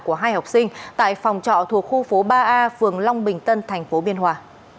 của hai học sinh tại phòng trọ thuộc khu phố ba a phường long bình tân tp biên hòa